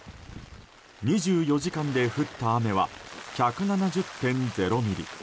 ２４時間で降った雨は１７０．０ミリ。